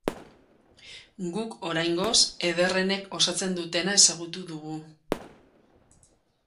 Guk, oraingoz, ederrenek osatzen dutena ezagutu dugu.